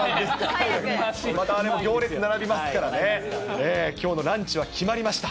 また、でも行列並びますからね、きょうのランチは決まりました。